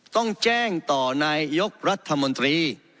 ต้องแจ้งต่อนายยกรัฐมนตรี